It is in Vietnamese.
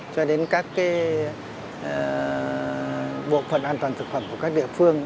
cho đến các bộ phận an toàn thực phẩm của các địa phương